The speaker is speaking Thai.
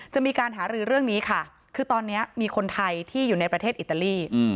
จะมีการหารือเรื่องนี้ค่ะคือตอนนี้มีคนไทยที่อยู่ในประเทศอิตาลี